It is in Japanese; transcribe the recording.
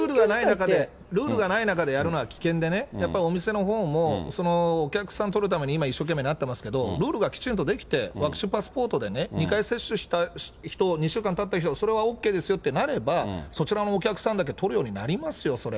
ルールがない中でやるのは危険でね、やっぱりお店のほうもお客さん取るために今、一生懸命になってますけど、ルールがきちんと出来て、ワクチンパスポートでね、２回接種した人、２週間たった人、それはＯＫですよってなれば、そちらのお客さんだけ取るようになりますよ、それ。